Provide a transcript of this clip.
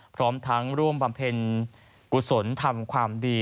พร้อมทั้งร่วมบำเพ็ญกุศลทำความดี